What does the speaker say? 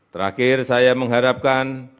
terakhir saya mengharapkan